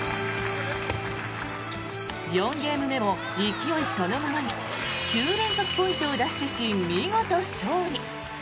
４ゲーム目も勢いそのままに９連続ポイントを奪取し見事勝利。